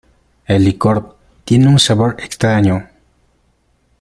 El licor tiene un sabor extraño.